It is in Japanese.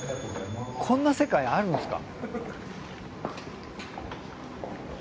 こんな世界あるんすか。